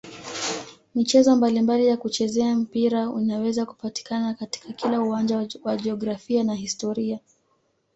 Michezo mbalimbali ya kuchezea mpira inaweza kupatikana katika kila uwanja wa jiografia na historia.